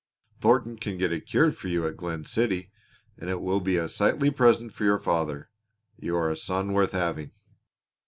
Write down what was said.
Thornton can get it cured for you at Glen City and it will be a sightly present for your father. You are a son worth having!"